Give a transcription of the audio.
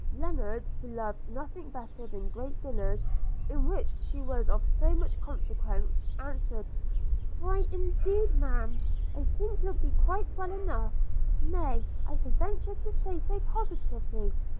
Lennard, who loved nothing better than great dinners, in which she was of so much consequence, answered, 'Why, indeed, Ma'am, I think you'll be quite well enough – nay, I could venture to say so positively.